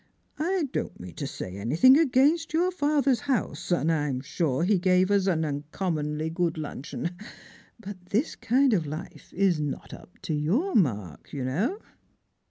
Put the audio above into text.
I don't mean to say anything against your father's house, and I'm sure he gave us an uncommonly good luncheon ; but this kind of life is not up to your mark, you know."